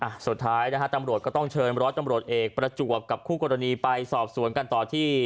สุดท้ายนะฮะตำรวจก็ต้องเชิญร้อยตำรวจเอกประจวบกับคู่กรณีไปสอบสวนกันต่อที่